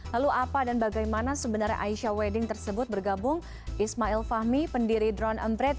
lalu apa dan bagaimana sebenarnya aisyah wedding tersebut bergabung ismail fahmi pendiri drone empret